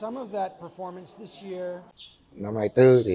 năm hai nghìn hai mươi bốn thì